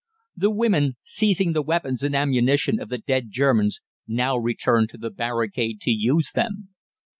The women, seizing the weapons and ammunition of the dead Germans, now returned to the barricade to use them.